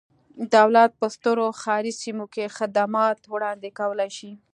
دولت په سترو ښاري سیمو کې خدمات وړاندې کولای شي.